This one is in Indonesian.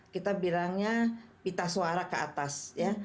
kita bilangnya pita suara ke atas ya